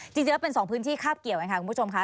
จริงแล้วเป็นสองพื้นที่คาบเกี่ยวกันค่ะคุณผู้ชมค่ะ